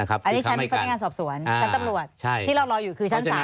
อันนี้ฉันพยายามสอบสวนฉันตำรวจที่เรารออยู่คือฉันสาร